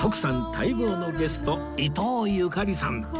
待望のゲスト伊東ゆかりさん